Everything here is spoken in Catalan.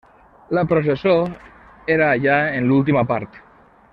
La processó era ja en l'última part.